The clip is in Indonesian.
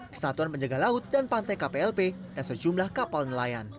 kesatuan penjaga laut dan pantai kplp dan sejumlah kapal nelayan